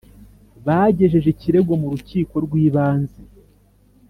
bagejeje ikirego mu rukiko rw’ibanze